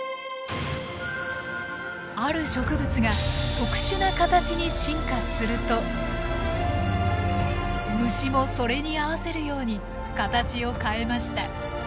ある植物が特殊な形に進化すると虫もそれに合わせるように形を変えました。